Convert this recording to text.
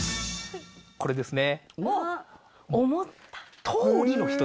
これですね。